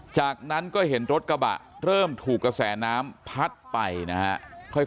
จากนั้นก็เห็นรถกระบะเริ่มถูกกระแสน้ำพัดไปนะฮะ